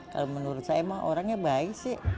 kalau menurut saya mah orangnya baik sih